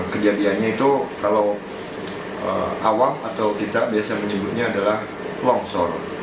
kejadiannya itu kalau awam atau kita biasa menyebutnya adalah longsor